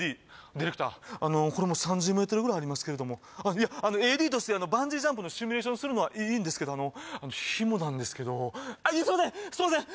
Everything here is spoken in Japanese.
ディレクターあのこれもう３０メートルぐらいありますけれどもあっいやＡＤとしてバンジージャンプのシミュレーションするのはいいんですけどあのヒモなんですけどいやすいませんすいません